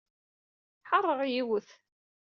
Ḥeṛṛeɣ yiwet.